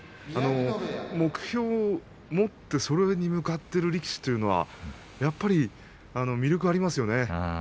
目標を持ってそれに向かっている力士というのはやっぱり魅力ありますよね。